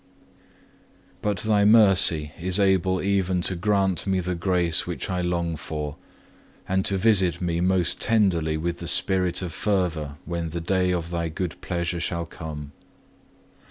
3. But Thy mercy is able even to grant me the grace which I long for, and to visit me most tenderly with the spirit of fervour when the day of Thy good pleasure shall come.